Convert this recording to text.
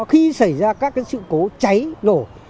khi xảy ra các sự cố cháy nổ